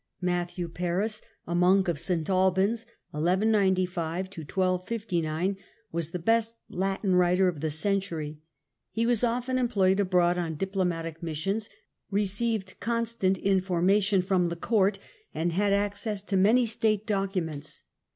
Matthew Paris, a monk of S. Albans The chroni (' i95 "59)» was the best Latin writer of the deraofhis century. He was often employed abroad on ^"^' diplomatic missions, received constant infor mation from the court, and had access to many state documents.